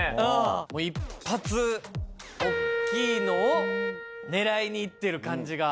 もう一発大きいのを狙いに行ってる感じが。